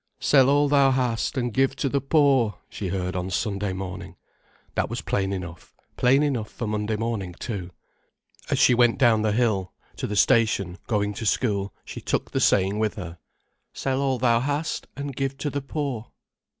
"Sell all thou hast, and give to the poor," she heard on Sunday morning. That was plain enough, plain enough for Monday morning too. As she went down the hill to the station, going to school, she took the saying with her. "Sell all thou hast, and give to the poor."